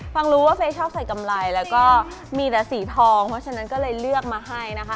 ฟังรู้ว่าเฟย์ชอบใส่กำไรแล้วก็มีแต่สีทองเพราะฉะนั้นก็เลยเลือกมาให้นะคะ